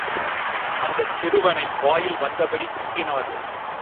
அந்தச் சிறுவனை வாயில் வந்தபடி திட்டினார்கள்.